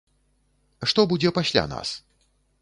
Што будзе пасля нас?